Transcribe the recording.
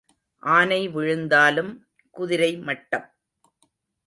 ஆனை விழுந்தாலும் குதிரை மட்டம்.